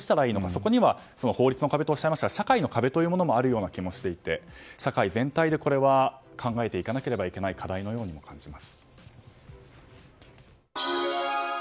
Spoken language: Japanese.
そこには法律の壁とおっしゃいましたが社会の壁というのもあるような気がしていて社会全体でこれは考えていかなければいけない課題のように感じます。